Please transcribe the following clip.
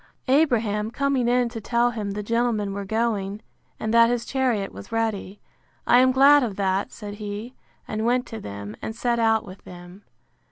Abraham coming in to tell him the gentlemen were going, and that his chariot was ready; I am glad of that, said he; and went to them, and set out with them.